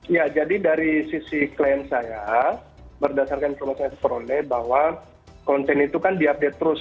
ya jadi dari sisi klien saya berdasarkan kalau saya peroleh bahwa konten itu kan diupdate terus